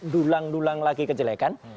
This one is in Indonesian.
dulang dulang lagi kejelekan